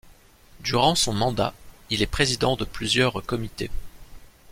Durant son mandat, il est président de plusieurs comités.